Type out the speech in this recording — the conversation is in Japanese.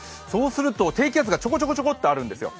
低気圧がちょこちょこちょこっとあるんですね